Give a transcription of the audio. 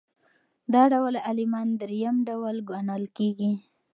دا ډول عالمان درېیم ډول ګڼل کیږي.